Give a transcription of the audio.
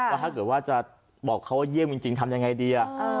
ถ้าเกิดว่าจะบอกเขาว่าเยี่ยมจริงทำยังไงดี